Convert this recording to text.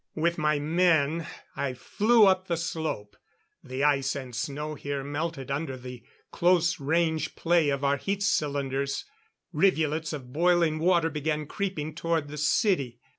With my men I flew up the slope. The ice and snow here melted under the close range play of our heat cylinders. Rivulets of boiling water began creeping toward the city.